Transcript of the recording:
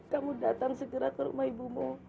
kamu datang segera ke rumah ibumu